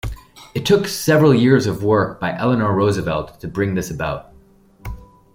It took several years of work by Eleanor Roosevelt to bring this about.